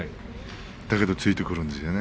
だけどついてくるんですよね。